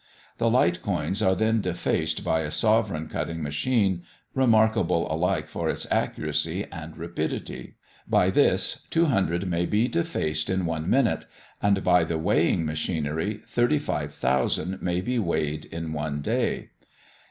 The light coins are then defaced by a sovereign cutting machine, remarkable alike for its accuracy and rapidity. By this, 200 may be defaced in one minute; and, by the weighing machinery, 35,000 may be weighed in one day.